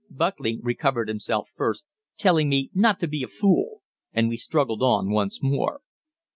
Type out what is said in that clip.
Buckley recovered himself first, telling me "not to be a fool," and we struggled on once more.